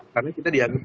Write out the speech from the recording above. karena kita dianggap